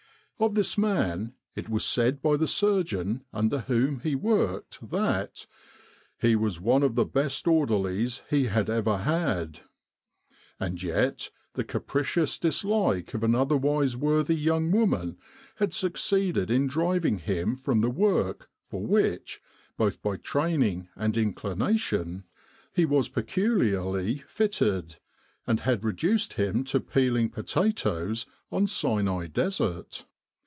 Of this man it was said by the surgeon under whom he worked that ' he was one of the best orderlies he had ever had.' And yet, the capricious dislike of an otherwise worthy young woman had succeeded in driving him from the work for which, both by train ing and inclination, he was peculiarly fitted, and had 266 Military General Hospitals in Egypt reduced him to peeling potatoes on Sinai Desert.